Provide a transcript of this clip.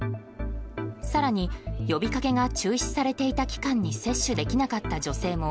更に、呼びかけが中止されていた期間に接種できなかった女性も